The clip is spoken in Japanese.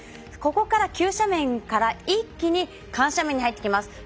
ここから急斜面から一気に緩斜面に入っていきます。